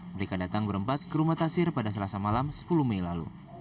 mereka datang berempat ke rumah tasir pada selasa malam sepuluh mei lalu